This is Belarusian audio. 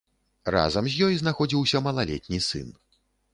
Разам з ёй знаходзіўся малалетні сын.